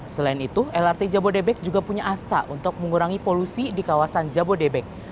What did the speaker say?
selain itu lrt jabodebek juga punya asa untuk mengurangi polusi di kawasan jabodebek